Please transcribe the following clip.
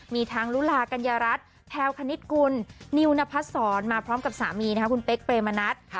มีทั้งลุลากัญญารัฐแพลวคณิตกุลนิวนพัดศรมาพร้อมกับสามีคุณเป๊กเปรมนัด